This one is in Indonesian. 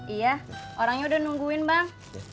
iya orangnya udah nungguin bang